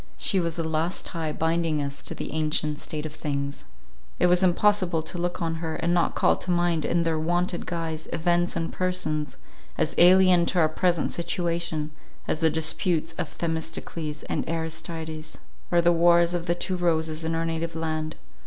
She was the last tie binding us to the ancient state of things. It was impossible to look on her, and not call to mind in their wonted guise, events and persons, as alien to our present situation as the disputes of Themistocles and Aristides, or the wars of the two roses in our native land.